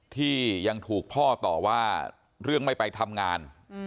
ที่ยังถูกพ่อต่อว่าเรื่องไม่ไปทำงาน